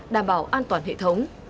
đảm bảo an toàn hệ thống